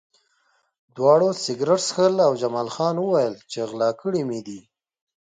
دواړو سګرټ څښل او جمال خان وویل چې غلا کړي مې دي